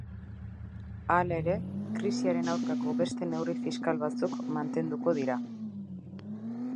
Hala ere, krisiaren aurkako beste neurri fiskal batzuk mantenduko dira.